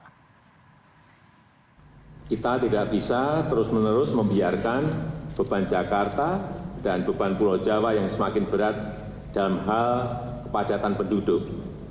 kita tidak bisa terus menerus membiarkan beban jakarta dan beban pulau jawa yang semakin berat dalam hal kepadatan penduduk